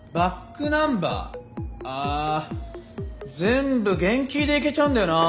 あ全部原キーでいけちゃうんだよなぁ。